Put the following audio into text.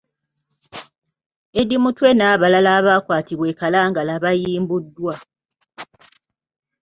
Eddie Mutwe n’abalala abaakwatibwa e Kalangala bayimbuddwa.